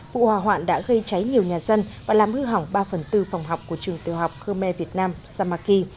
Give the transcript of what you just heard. vụ hỏa hoạn đã gây cháy nhiều nhà dân và làm hư hỏng ba phần tư phòng học của trường tiểu học khơ me việt nam samaki